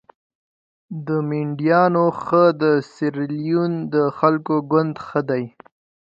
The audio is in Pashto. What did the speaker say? د مینډیانو ښه د سیریلیون د خلکو ګوند ښه دي.